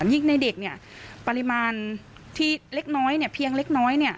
ยิ่งในเด็กเนี่ยปริมาณที่เล็กน้อยเนี่ยเพียงเล็กน้อย